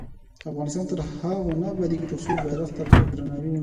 افغانستان تر هغو نه ابادیږي، ترڅو بیرغ ته په درناوي ودریږو.